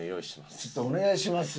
ちょっとお願いしますよ。